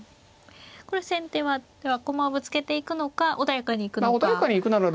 これ先手は駒をぶつけていくのか穏やかに行くのか。